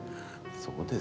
そうですね。